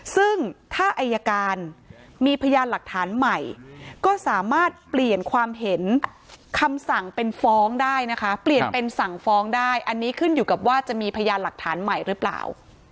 ซึ่งถ้าอายการมีพยานหลักฐานใหม่ก็สามารถเปลี่ยนความเห็นคำสั่งเป็นฟ้องได้นะคะเปลี่ยนเป็นสั่งฟ้องได้อันนี้ขึ้นอยู่กับว่าจะมีพยานหลักฐานใหม่หรือเปล่า